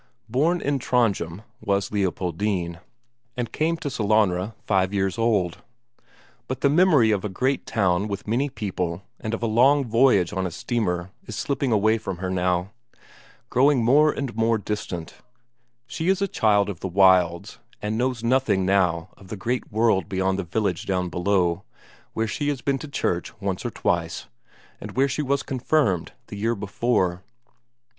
Born in Trondhjem, was Leopoldine, and came to Sellanraa five years old. But the memory of a great town with many people and of a long voyage on a steamer is slipping away from her now, growing more and more distant; she is a child of the wilds and knows nothing now of the great world beyond the village down below where she has been to church once or twice, and where she was confirmed the year before....